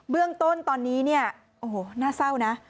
เบื้องต้นตอนนี้โอ้โฮน่าเศร้านะ